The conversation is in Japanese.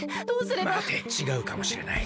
まてちがうかもしれない。